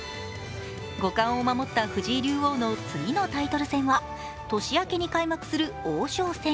五冠を守った藤井竜王の次のタイトル戦は、年明けに開幕する王将戦。